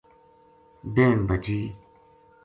بہن بھجی